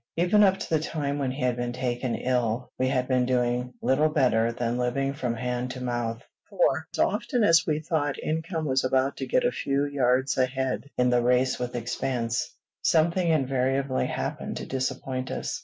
Even up to the time when he had been taken ill, we had been doing little better than living from hand to mouth; for as often as we thought income was about to get a few yards ahead in the race with expense, something invariably happened to disappoint us.